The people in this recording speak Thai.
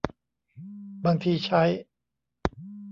บางทีใช้